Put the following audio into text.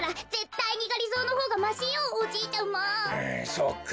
そっか。